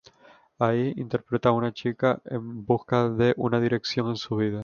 Ahí, interpreta a una chica en busca de una dirección en su vida.